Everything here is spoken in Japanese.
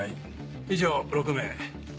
以上６名。